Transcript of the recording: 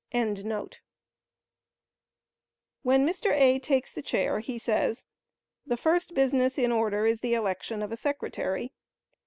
] When Mr. A. takes the chair, he says, "The first business in order is the election of a secretary."